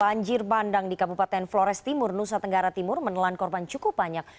banjir bandang di kabupaten flores timur nusa tenggara timur menelan korban cukup banyak